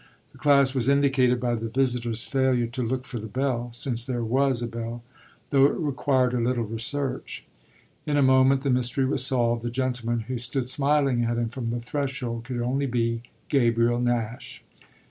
The class was indicated by the visitor's failure to look for the bell since there was a bell, though it required a little research. In a moment the mystery was solved: the gentleman who stood smiling at him from the threshold could only be Gabriel Nash.